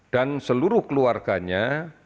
dan seluruh keluarganya